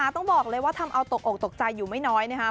ต้องบอกเลยว่าทำเอาตกอกตกใจอยู่ไม่น้อยนะคะ